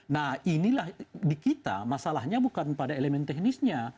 nah inilah di kita masalahnya bukan pada elemen teknisnya